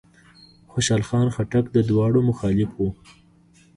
خوشحال خان خټک د دواړو مخالف و.